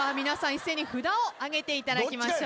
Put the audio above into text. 一斉に札を挙げていただきましょう。